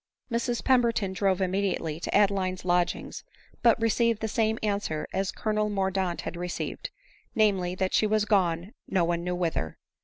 Mrs Pemberton drove immediately to Adeline's lodg ings, but received the same answer as Colonel Mordaunt had received ; namely, that she was gone no one knew whither.